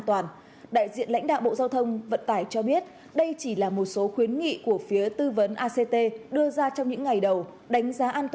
trung tay tiêu thụ nông